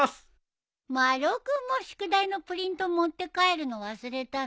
丸尾君も宿題のプリント持って帰るの忘れたの？